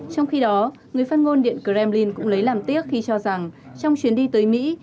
trong khi đó người phát ngôn điện kremlin cũng lấy làm tiếc khi cho rằng trong chuyến đi tới mỹ